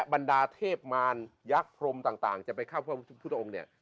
บรรดาเทพมารยักษ์พรมต่างจะไปเข้าพระพุทธองค์เนี่ย